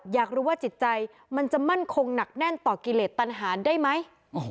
อยากรู้ว่าจิตใจมันจะมั่นคงหนักแน่นต่อกิเลสตันหารได้ไหม